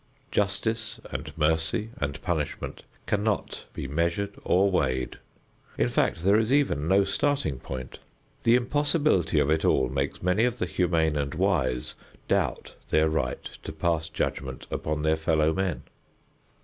Justice and mercy and punishment cannot be measured or weighed; in fact there is even no starting point. The impossibility of it all makes many of the humane and wise doubt their right to pass judgment upon their fellow man.